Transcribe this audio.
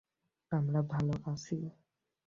আমরা ভালো আছি।